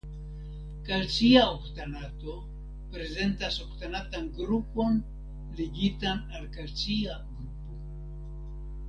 Kalcia oktanato prezentas oktanatan grupon ligitan al kalcia grupo.